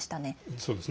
そうですね。